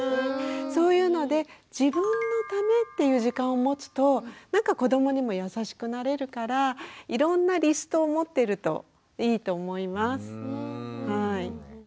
そういうので自分のためっていう時間を持つとなんか子どもにも優しくなれるからいろんなリストを持ってるといいと思います。